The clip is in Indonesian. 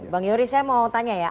bang yoris saya mau tanya ya